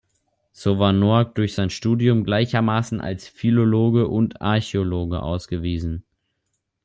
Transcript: So war Noack durch sein Studium gleichermaßen als Philologe und Archäologe ausgewiesen.